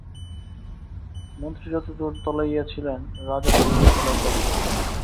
মন্ত্রী যতদূর তলাইয়াছিলেন, রাজা ততদূর তলাইতে পারেন নাই।